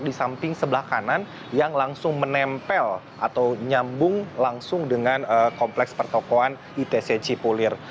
di samping sebelah kanan yang langsung menempel atau nyambung langsung dengan kompleks pertokohan itc cipulir